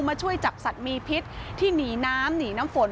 มาช่วยจับสัตว์มีพิษที่หนีน้ำหนีน้ำฝน